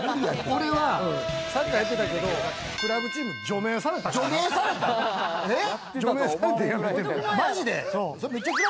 俺はサッカーやってたけど、クラブチーム除名されたから。